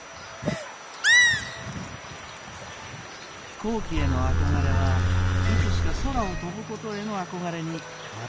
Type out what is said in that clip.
飛行機への憧れはいつしか空を飛ぶことへの憧れに変わっていました。